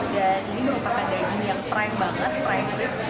dan ini merupakan daging yang prime banget prime ribs